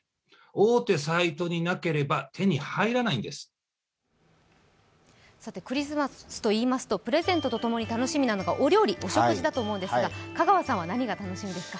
専門家はクリスマスといいますとプレゼントと共に楽しみなのがお料理、お食事だと思うんですが香川さんは何が楽しみですか？